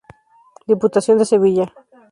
Diputación de Sevilla.